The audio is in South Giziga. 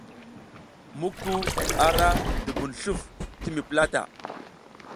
Muku a la dubun sluf ti mi plata.